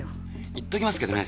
言っときますけどね